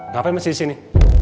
kenapa masih disini